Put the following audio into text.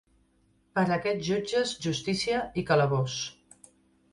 Per aquests jutges, justícia i calabós.